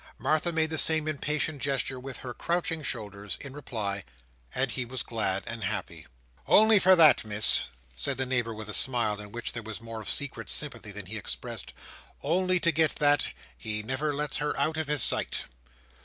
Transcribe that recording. Martha made the same impatient gesture with her crouching shoulders, in reply; and he was glad and happy. "Only for that, Miss," said the neighbour, with a smile, in which there was more of secret sympathy than he expressed; "only to get that, he never lets her out of his sight!"